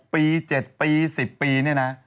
ปี๗ปี๑๐ปีเนี่ยนะ